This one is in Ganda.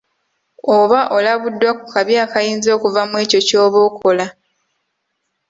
Oba olabuddwa ku kabi akayinza okuva mu ekyo ky'oba okola.